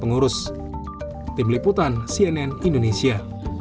pengurus tim liputan cnn indonesia